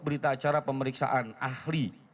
berita acara pemeriksaan ahli